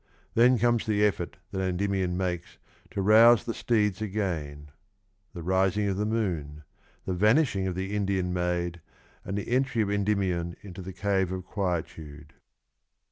Then comes the effort that Endymion makes to rouse the steeds again ; the rising of the moon ; the vanishing of the Indian maid, and the entry of Endymion into the Cave of Quietude.